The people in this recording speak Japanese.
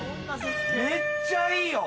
めっちゃいいよ。